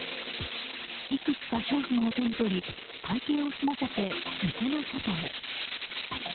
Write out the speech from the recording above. いくつか商品を手に取り会計を済ませて、店の外へ。